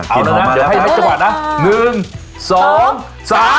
เอานะนะเดี๋ยวให้ให้จังหวัดน่ะหนึ่งสองสาม